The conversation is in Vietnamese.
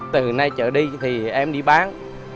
từ nay chợ đi thì em đi bán